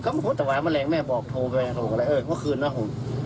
ก็มาพบตะวายแมลงแม่บอกโทรแมลงโอ้โฮแล้วเมื่อคืนน่ะโอ้โฮ